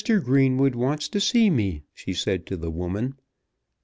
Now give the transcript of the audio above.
Greenwood wants to see me," she said to the woman.